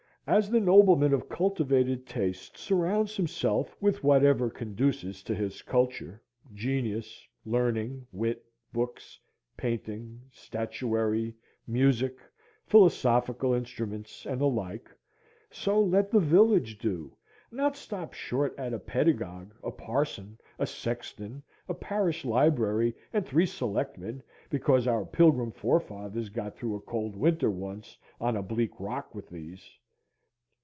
As the nobleman of cultivated taste surrounds himself with whatever conduces to his culture,—genius—learning—wit—books—paintings—statuary—music— philosophical instruments, and the like; so let the village do,—not stop short at a pedagogue, a parson, a sexton, a parish library, and three selectmen, because our pilgrim forefathers got through a cold winter once on a bleak rock with these.